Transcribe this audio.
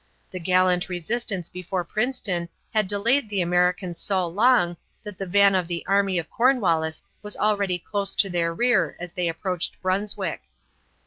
The gallant resistance before Princeton had delayed the Americans so long that the van of the army of Cornwallis was already close to their rear as they approached Brunswick.